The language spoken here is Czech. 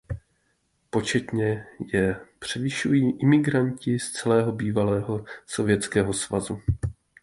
Početně je převyšují imigranti z celého bývalého Sovětského svazu.